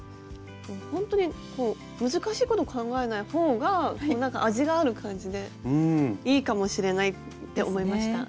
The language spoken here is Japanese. ほんとに難しいこと考えない方がなんか味がある感じでいいかもしれないって思いました。